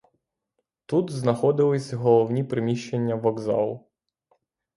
Тут знаходились головні приміщення вокзалу.